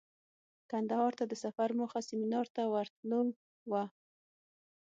کندهار ته د سفر موخه سمینار ته ورتلو وه.